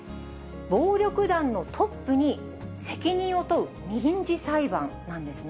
暴力団のトップに責任を問う民事裁判なんですね。